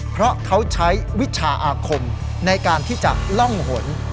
เพราะเขาใช้วิชาอาคมในการที่จะล่องหน